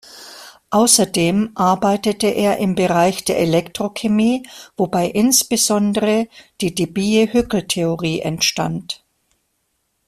Außerdem arbeitete er im Bereich der Elektrochemie, wobei insbesondere die Debye-Hückel-Theorie entstand.